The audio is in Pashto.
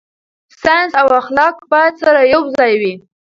ساينس او اخلاق باید سره یوځای وي.